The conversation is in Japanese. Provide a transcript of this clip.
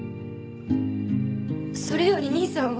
それより兄さんは？